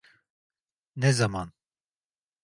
Ne zaman?